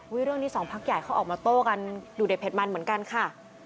เรื่องนี้สองพักใหญ่เขาออกมาโต้กันดูเด็ดเด็ดมันเหมือนกันค่ะ